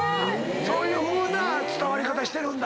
そういうふうな伝わり方してるんだ。